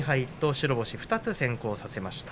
白星２つ先行させました